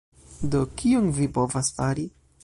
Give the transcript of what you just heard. Do, kion vi povas fari?